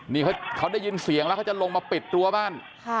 นี่เขาได้ยินเสียงแล้วเขาจะลงมาปิดรั้วบ้าน